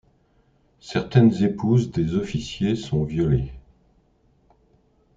Certaines épouses des officiers sont violées.